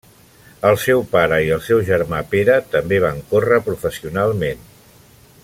El seu pare i el seu germà Pere també van córrer professionalment.